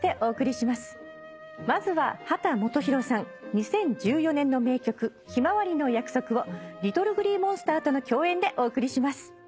２０１４年の名曲『ひまわりの約束』をＬｉｔｔｌｅＧｌｅｅＭｏｎｓｔｅｒとの共演でお送りします。